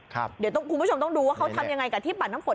เดี๋ยวคุณผู้ชมต้องดูว่าเขาทำยังไงกับที่ปั่นน้ำฝน